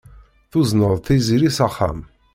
Tuzneḍ Tiziri s axxam.